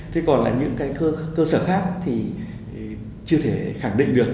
thế còn là những cái cơ sở khác thì chưa thể khẳng định được